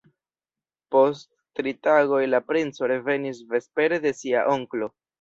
Post tri tagoj la princo revenis vespere de sia onklo.